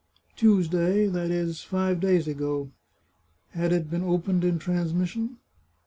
" Tuesday ; that is five days ago." " Had it been opened in transmission